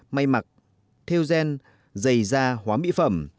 mây mặc theo gen dày da hóa mỹ phẩm